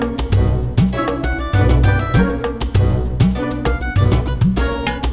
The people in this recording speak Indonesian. dot dot dot buka dot buka dot